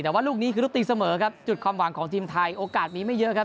แต่ว่าลูกนี้คือลูกตีเสมอครับจุดความหวังของทีมไทยโอกาสมีไม่เยอะครับ